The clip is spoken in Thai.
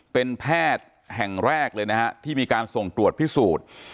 เป็นแพทย์แห่งแรกทีมีการส่งตรวจพิสูจน์